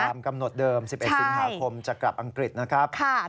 กำหนดเดิม๑๑สิงหาคมจะกลับอังกฤษนะครับ